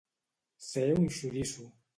Ser un xoriço.